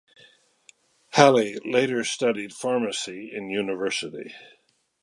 Halley later studied pharmacy in university.